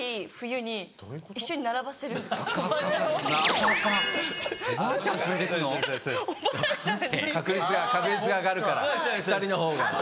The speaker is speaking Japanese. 確率が上がるから２人のほうが。